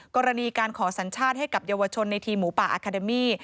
กรณีการขอสัญชาติให้กับเยาวชนในทีมหมูป่าอาคาเดมี่